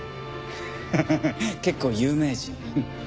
ハハハ結構有名人。